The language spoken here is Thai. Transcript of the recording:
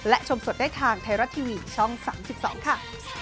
และชมสดได้ทางไทยรัฐทีวีช่อง๓๒ค่ะ